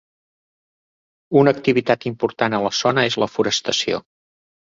Una activitat important a la zona és la forestació.